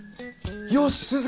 よし鈴木